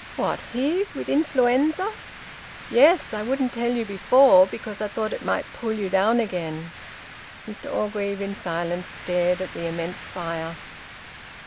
"What? Heve? With influenza?" "Yes. I wouldn't tell you before because I thought it might pull you down again." Mr Orgreave, in silence, stared at the immense fire.